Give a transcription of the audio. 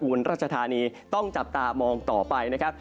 รัชธานีต้องจับตามองต่อไปนะครับ